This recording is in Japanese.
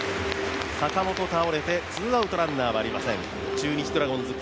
坂本倒れて、ツーアウトランナーはありません。